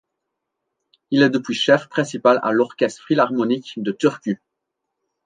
Il est depuis Chef principal à l'Orchestre Philharmonique de Turku.